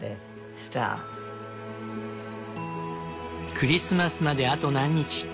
クリスマスまであと何日。